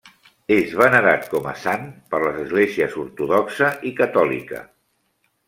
És venerat com a sant per les esglésies ortodoxa i catòlica.